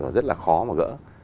rất là khó mà gỡ